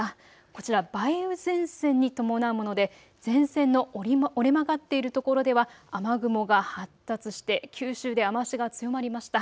こちら梅雨前線に伴うもので前線の折れ曲がっているところでは雨雲が発達して九州で雨足が強まりました。